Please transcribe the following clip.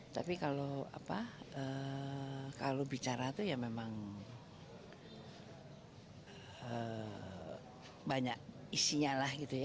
tapi kalau bicara itu ya memang banyak isinya lah gitu ya